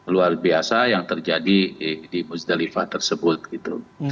luar biasa yang terjadi di musdalifah tersebut gitu